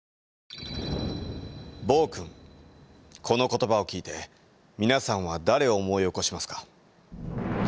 この言葉を聞いて皆さんは誰を思い起こしますか？